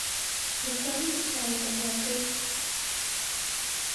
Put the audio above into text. دەتوانی پرسیارێکم بۆ بکەی